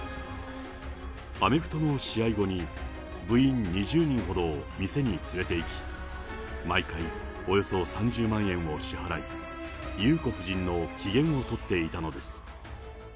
アメフトの試合後に、部員２０人ほどを店に連れていき、毎回およそ３０万円を支払い、優子夫人の機嫌を取っていたのです。